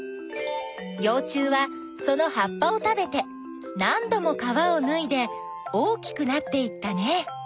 よう虫はそのはっぱを食べてなんども皮をぬいで大きくなっていったね。